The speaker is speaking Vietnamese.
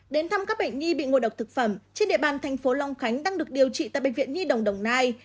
đến thăm các bệnh nhi bị ngộ độc thực phẩm trên địa bàn thành phố long khánh đang được điều trị tại bệnh viện nhi đồng đồng nai